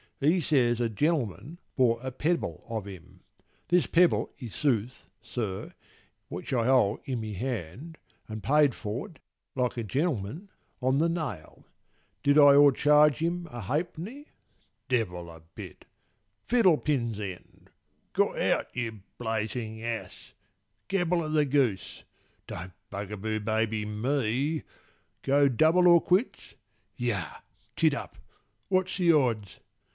He says a gen'lman bought a pebble of him, (This pebble i' sooth, sir, which I hold i' my hand)— And paid for't, like a gen'lman, on the nail. "Did I o'ercharge him a ha'penny? Devil a bit. Fiddlepin's end! Got out, you blazing ass! Gabble o' the goose. Don't bugaboo baby me! Go double or quits? Yah! tittup! what's the odds?"